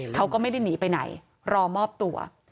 เขาก็ไม่ได้หนีไปไหนรอมอบตัว